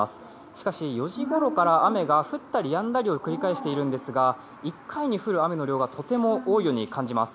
しかし、４時ごろから雨が降ったりやんだりを繰り返しているんですが１回に降る雨の量がとても多いように感じます。